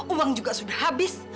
uang juga sudah habis